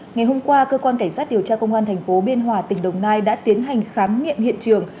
ngày hôm qua cơ quan cảnh sát điều tra công an thành phố biên hòa tỉnh đồng nai đã tiến hành khám nghiệm hiện trường